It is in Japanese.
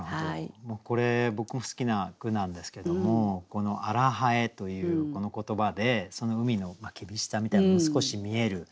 これ僕も好きな句なんですけどもこの「荒南風」というこの言葉でその海の厳しさみたいなのも少し見える。